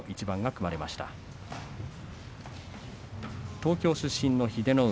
東京出身の英乃海。